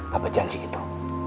pak berjanji itu